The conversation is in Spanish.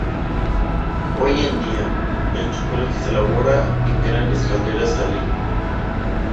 Hoy en día, el chocolate se elabora en grandes calderos a leña.